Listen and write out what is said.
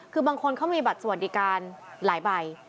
คือบางคนเขามีบัตรสวัสดิการหลายใบ